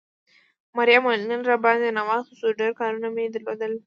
مريم وویل نن را باندې ناوخته شو، ډېر کارونه مې درلودل.